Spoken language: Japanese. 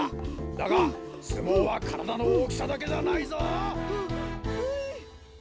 だがすもうはからだのおおきさだけじゃないぞ！ははい。